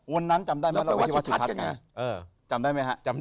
วันนั้นจำได้ไหม